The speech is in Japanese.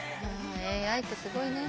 ＡＩってすごいね。